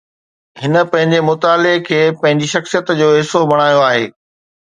هن پنهنجي مطالعي کي پنهنجي شخصيت جو حصو بڻايو آهي